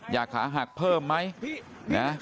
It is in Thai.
อยากขาหักเพิ่มไหมนะ